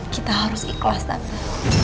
kita harus ikhlas tante